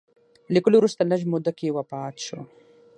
له لیکلو وروسته لږ موده کې وفات شو.